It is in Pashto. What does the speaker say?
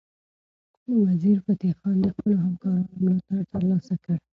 وزیرفتح خان د خپلو همکارانو ملاتړ ترلاسه کړ.